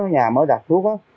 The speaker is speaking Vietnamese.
nhà mới đặt thuốc đó